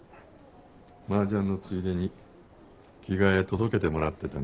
マージャンのついでに着替え届けてもらってたのよ。